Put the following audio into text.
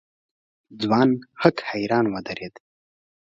ځوان هک حيران ودرېد.